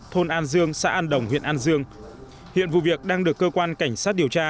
thôn an dương xã an đồng huyện an dương hiện vụ việc đang được cơ quan cảnh sát điều tra